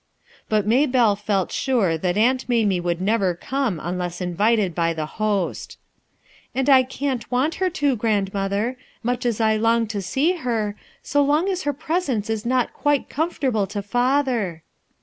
But Maybelle felt sure that \, mt \i • ^ouia never come unless united bv the host And I cant want her to, grandmother m uch as I long to see her, so long as her presence is not quite comfortable to father."